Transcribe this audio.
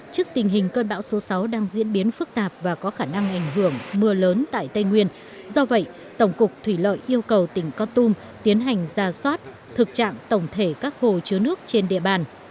trước tình hình cơn bão số sáu đang diễn biến phức tạp và có khả năng ảnh hưởng mưa lớn tại tây nguyên do vậy tổng cục thủy lợi yêu cầu tỉnh con tum tiến hành ra soát thực trạng tổng thể các hồ chứa nước trên địa bàn